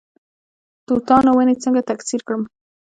د توتانو ونې څنګه تکثیر کړم؟